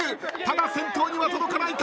ただ先頭には届かないか！？